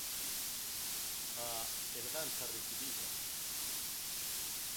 A "herdanza recibida".